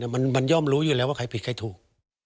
มันย่อมรู้อยู่แล้วว่าใครผิดใครถูก